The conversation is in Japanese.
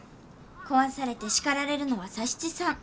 壊されて叱られるのは佐七さん。